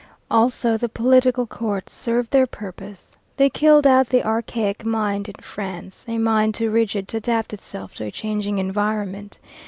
Also, the political courts served their purpose. They killed out the archaic mind in France, a mind too rigid to adapt itself to a changing environment.